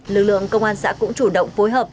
lực lượng công an xã cũng chủ động phối hợp